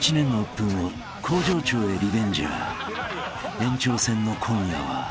［延長戦の今夜は］